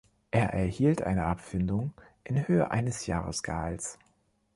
Er erhielt eine Abfindung in Höhe eines Jahresgehalts.